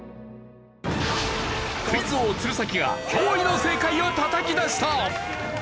クイズ王鶴崎が驚異の正解をたたき出した！